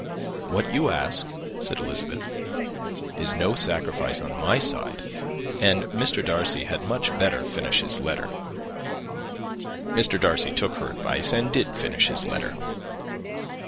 "What you ask," said Elizabeth, "is no sacrifice on my side; and Mr. Darcy had much better finish his letter." Mr. Darcy took her advice, and did finish his letter.